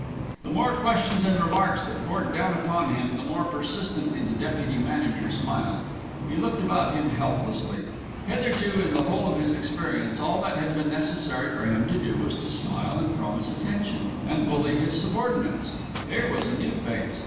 The more questions and remarks that poured down upon him, the more persistently the deputy manager smiled. He looked about him helplessly. Hitherto in the whole of his experience all that had been necessary for him to do was to smile and promise attention, and bully his subordinates. Here was a new phase.